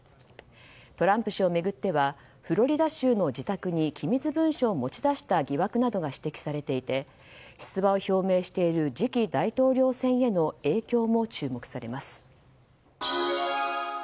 トランプ氏を巡ってはフロリダ州の自宅に機密文書を持ち出した疑惑などが指摘されていて出馬を表明している次期大統領選への影響も注目されます。